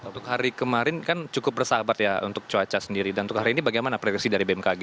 untuk hari kemarin kan cukup bersahabat ya untuk cuaca sendiri dan untuk hari ini bagaimana prediksi dari bmkg